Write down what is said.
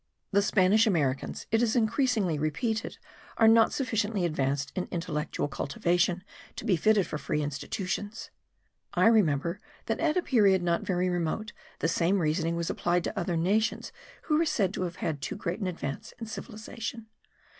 The Spanish Americans, it is unceasingly repeated, are not sufficiently advanced in intellectual cultivation to be fitted for free institutions. I remember that at a period not very remote, the same reasoning was applied to other nations who were said to have made too great an advance in civilization.